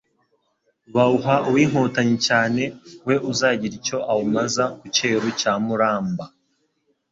Bawuha uw'inkotanyi cyane, We uzagira icyo awumaza ku Cyeru cya Muramba.